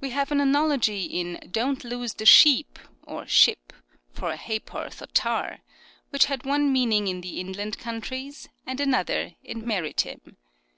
We have an analogy in " Don't lose the sheep (or ship) for a ha^porth o' tar," which had one meaning in the inland counties and another in maritime.